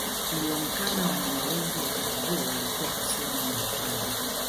Ilionekana wanyama wengi wakati huo walikuwa kusini mwa hifadhi